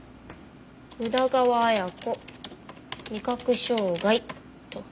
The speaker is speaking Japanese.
「宇田川綾子味覚障害」と。